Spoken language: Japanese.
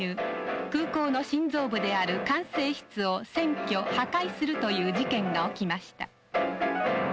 空港の心臓部である管制室を占拠破壊するという事件が起きました。